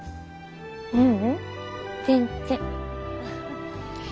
ううん全然。